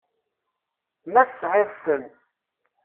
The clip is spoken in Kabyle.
Ma tesɛiḍ-ten.